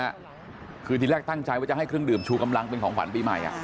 แถวคันนี้ก็เรียกตรวจคือที่แรกตั้งใจว่าจะให้เครื่องดื่มชูกำลังเป็นของฝันปีใหม่